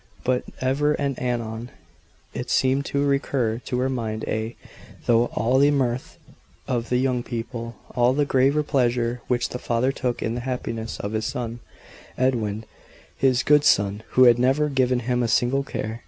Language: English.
But ever and anon it seemed to recur to her mind ay, through all the mirth of the young people, all the graver pleasure which the father took in the happiness of his son Edwin; his good son, who had never given him a single care.